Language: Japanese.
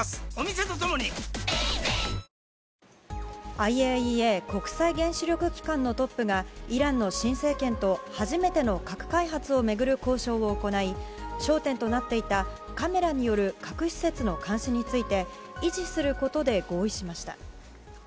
ＩＡＥＡ・国際原子力機関のトップがイランの新政権と初めての核開発を巡る交渉を行い焦点となっていた、カメラによる核施設の監視について維持することで合意しました。